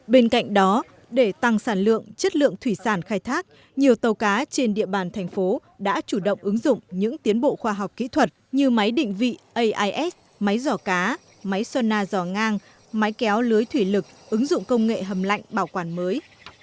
bên cạnh đó để tăng sản lượng chất lượng thủy sản khai thác nhiều tàu cá trên địa bàn thành phố đã chủ động ứng dụng những tiến bộ khoa học kỹ thuật như máy định vị ais máy giỏ cá máy sona giò ngang máy kéo lưới thủy lực ứng dụng công nghệ hầm lạnh bảo quản mới